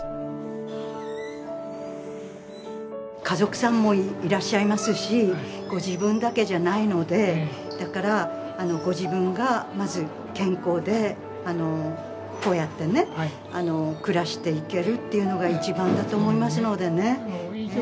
家族さんもいらっしゃいますしご自分だけじゃないのでだからご自分がまず健康でこうやってね暮らしていけるっていうのが一番だと思いますのでね。